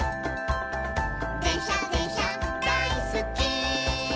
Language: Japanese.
「でんしゃでんしゃだいすっき」